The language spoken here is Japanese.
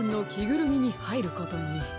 ぐるみにはいることに。